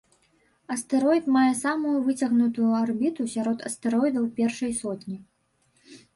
Астэроід мае самую выцягнутую арбіту сярод астэроідаў першай сотні.